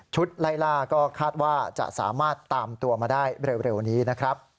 ไล่ล่าก็คาดว่าจะสามารถตามตัวมาได้เร็วนี้นะครับ